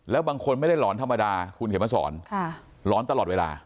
แล้วบางคนไม่ได้หลอนธรรมดาคุณเขียนมาสอนหลอนตลอดเวลา